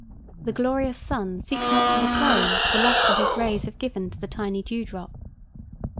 The glorious sun seeks not to reclaim the lustre his rays have given to the tiny dewdrop.